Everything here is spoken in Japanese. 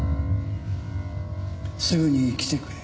「すぐに来てくれ」